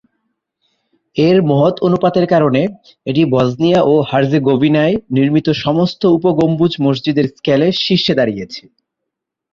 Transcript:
এর মহৎ অনুপাতের কারণে এটি বসনিয়া ও হার্জেগোভিনায় নির্মিত সমস্ত উপ-গম্বুজ মসজিদের স্কেলের শীর্ষে দাঁড়িয়েছে।